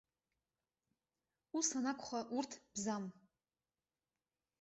Ус анакәха, урҭ бзам.